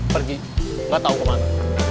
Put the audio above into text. pergi gak tau kemana